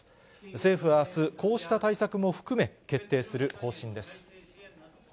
政府はあす、こうした対策も含め、決定する方針です。